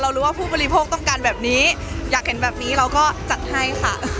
รู้ว่าผู้บริโภคต้องการแบบนี้อยากเห็นแบบนี้เราก็จัดให้ค่ะ